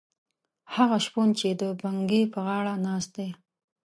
هغه شپون چې د بنګي پر غاړه ناست دی.